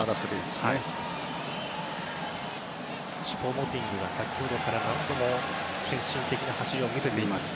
チュポ・モティングが先ほどから何度も献身的な走りを見せています。